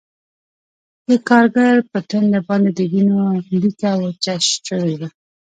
د کارګر په ټنډه باندې د وینو لیکه وچه شوې وه